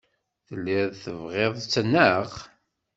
Telliḍ tebɣiḍ-tt, naɣ?